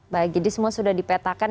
baik jadi semua sudah dipetakan